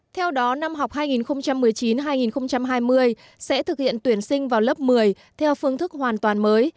theo đó năm học hai nghìn một mươi chín hai nghìn hai mươi sẽ thực hiện tuyển sinh vào lớp một mươi theo phương thức hoàn toàn mới